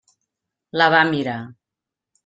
La va mirar.